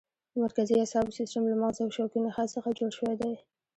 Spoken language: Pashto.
د مرکزي اعصابو سیستم له مغز او شوکي نخاع څخه جوړ شوی دی.